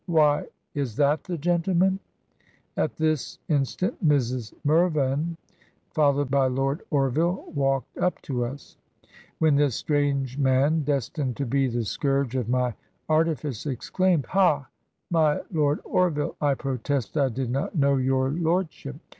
'Why, is that the gen tleman?' ... At this instant Mrs. Mitvan, fol lowed by Lord Orville, walked up to us, ... when this strange man, destined to be the scourge of my arti fice, exclaimed, 'Ha, my Lord Orville! — I protest I did not know your lordship.